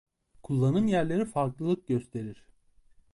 Kullanım yerleri farklılık gösterir.